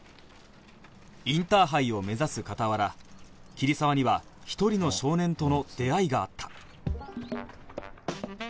インターハイを目指す傍ら桐沢には一人の少年との出会いがあった